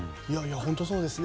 本当にそうですね。